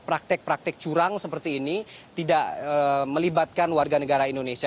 praktek praktek curang seperti ini tidak melibatkan warga negara indonesia